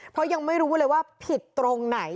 เพราะยังไม่รู้เลยว่าผิดตรงไหน